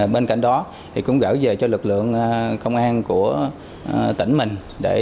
bên cạnh đó cũng gửi về cho lực lượng công an của tỉnh mình